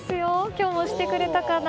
今日もしてくれたかな？